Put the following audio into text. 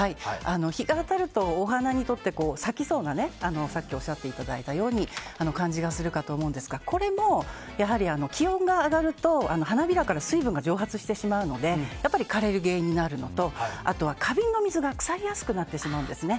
日が当たるとお花にとって咲きそうな感じがすると思うんですがこれも、やはり気温が上がると花びらから水分が蒸発してしまうので枯れる原因になるのとあとは花瓶の水が腐りやすくなってしまうんですね。